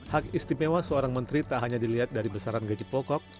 hak istimewa seorang menteri tak hanya dilihat dari besaran gaji pokok